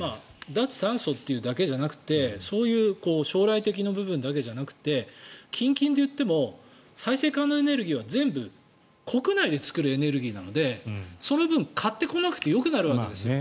脱炭素というだけじゃなくてそういう将来的な部分だけじゃなくて近々で言っても再生可能エネルギーは全部国内で作るエネルギーなのでその分、買ってこなくてよくなるわけです。